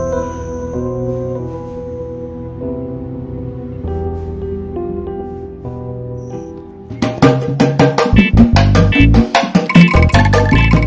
kamu llegar ya balik tylko